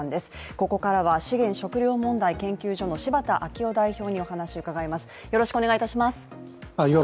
ここからは資源・食糧問題研究所の柴田明夫代表にお話を伺います。